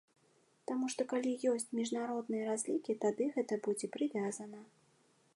Таму што калі ёсць міжнародныя разлікі, тады гэта будзе прывязана.